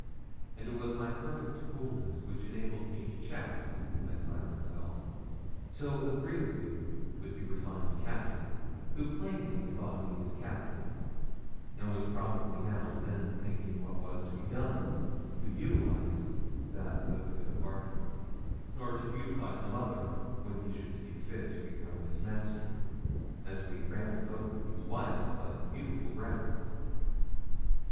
It was my perfect coolness which enabled me to chat, I flatter myself, so agreeably with the refined Captain, who plainly thought me his captive, and was probably now and then thinking what was to be done to utilise that little bit of Bartram, or to beautify some other, when he should see fit to become its master, as we rambled over these wild but beautiful grounds.